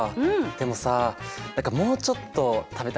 でもさ何かもうちょっと食べたいんだよね。